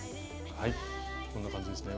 こんな感じですね。